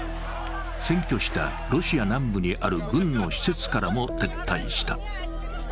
占拠したロシア南部にある軍の施設からも撤退した。